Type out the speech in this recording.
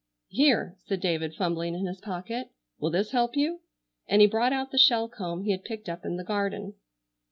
"Here!" said David, fumbling in his pocket, "will this help you?" and he brought out the shell comb he had picked up in the garden.